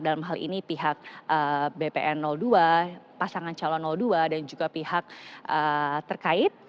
dalam hal ini pihak bpn dua pasangan calon dua dan juga pihak terkait